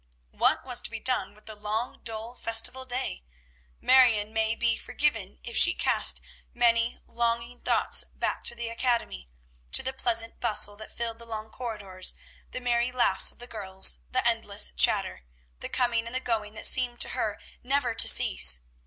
What was to be done with the long, dull festival day? Marion may be forgiven if she cast many longing thoughts back to the academy, to the pleasant bustle that filled the long corridors, the merry laughs of the girls, the endless chatter, the coming and the going that seemed to her never to cease.